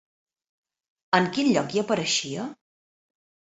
En quin lloc hi apareixia?